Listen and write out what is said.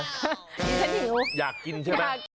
ฉันอยู่อยากกินใช่ไหมอยากกิน